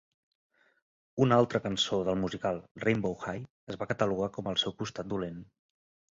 Una altra cançó del musical, "Rainbow High", es va catalogar com el seu costat dolent.